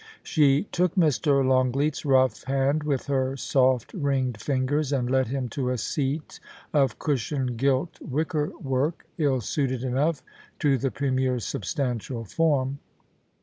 She took Mr. Longleat's rough hand with her soft, ringed fingers, and led him to a seat of cushioned gilt wicker work, 7 98 POUCY AND PASSION. ill suited enough to the Premier's substantial form.